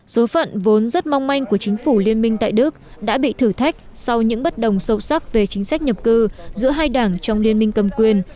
số phận vốn rất mong manh của chính phủ liên minh tại đức đã bị thử thách sau những bất đồng sâu sắc về chính sách nhập cư giữa hai đảng trong liên minh cầm quyền